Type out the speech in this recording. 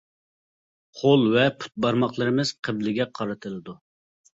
قول ۋە پۇت بارماقلىرىمىز قىبلىگە قارىتىلىدۇ.